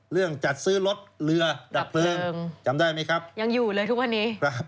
จัดซื้อรถเรือดับเพลิงจำได้ไหมครับยังอยู่เลยทุกวันนี้